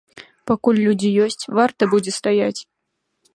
Пакуль людзі ёсць, варта будзе стаяць.